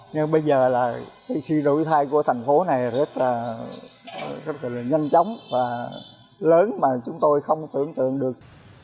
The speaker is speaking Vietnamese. nhưng bây giờ là sự rủi thai của thành phố này rất là nhanh chóng và lớn mà chúng tôi không tưởng tượng được